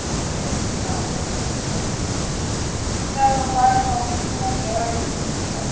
"Then, you do not live here?" asked Ruth. "No! my home is in a very different place.